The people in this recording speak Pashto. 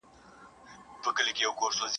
پر قبر ئې اختلاف دئ.